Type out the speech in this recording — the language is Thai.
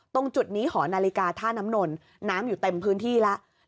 ตรงจุดนี้หอนาฬิกาท่าน้ำนนน้ำอยู่เต็มพื้นที่แล้ว